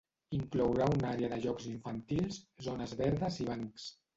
Inclourà un àrea de jocs infantils, zones verdes i bancs.